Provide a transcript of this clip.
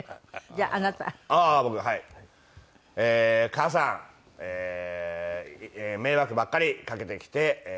母さん迷惑ばっかりかけてきて。